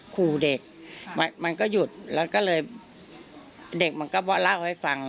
ขู่เด็กมันก็หยุดแล้วก็เลยเด็กมันก็เล่าให้ฟัง